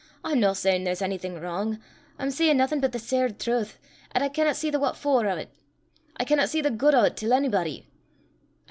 I'm no sayin' there's onything wrang; I'm sayin' naething but the sair trowth, 'at I canna see the what for o' 't. I canna see the guid o' 't till onybody.